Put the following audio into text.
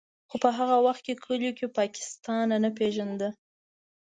خو په هغه وخت کې کلیو کې پاکستان نه پېژانده.